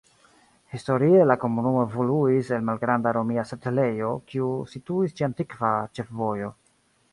Historie la komunumo evoluis el malgranda romia setlejo, kiu situis ĉe antikva ĉefvojo.